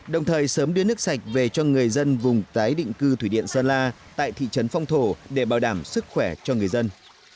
đồng thời sớm đưa nước sạch về cho người dân vùng tái định cư thủy điện sơn la tại thị trấn phong thổ để bảo đảm sức khỏe cho người dân